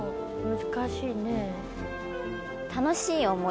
難しいね。